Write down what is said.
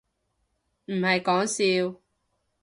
唔係講笑